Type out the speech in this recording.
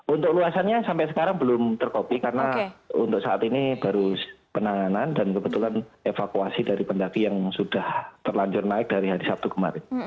untuk luasannya sampai sekarang belum terkopi karena untuk saat ini baru penanganan dan kebetulan evakuasi dari pendaki yang sudah terlanjur naik dari hari sabtu kemarin